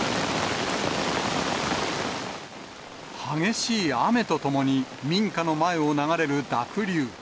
激しい雨とともに、民家の前を流れる濁流。